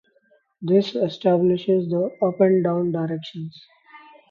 This establishes the up and down directions.